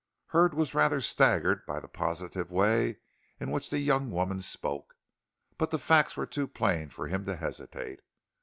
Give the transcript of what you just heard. Hurd was rather staggered by the positive way in which the young woman spoke. But the facts were too plain for him to hesitate.